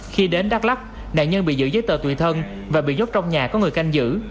khi đến đắk lắc nạn nhân bị giữ giấy tờ tùy thân và bị dốt trong nhà có người canh giữ